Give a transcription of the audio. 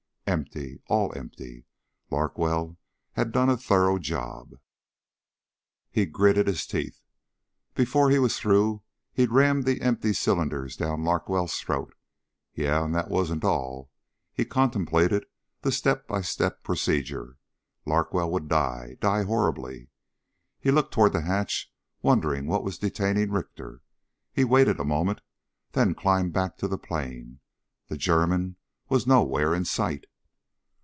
Empty ... all empty. Larkwell had done a thorough job. He gritted his teeth. Before he was through he'd ram the empty cylinders down Larkwell's throat. Yeah, and that wasn't all. He contemplated the step by step procedure. Larkwell would die. Die horribly. He looked toward the hatch wondering what was detaining Richter. He waited a moment, then climbed back to the plain. The German was nowhere in sight.